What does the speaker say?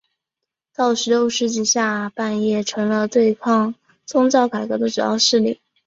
到十六世纪下半叶成了对抗宗教改革的主要势力。